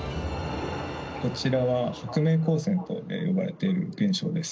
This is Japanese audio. こちらは薄明光線と呼ばれている現象です。